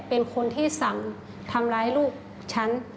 เป็นคนที่สั่งทำร้ายลูกฉัน